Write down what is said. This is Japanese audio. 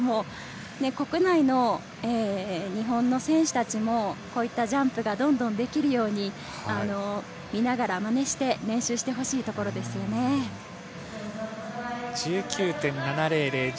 国内の日本の選手たちもジャンプがどんどんできるように見ながら真似して練習してほしいですね。１９．７００。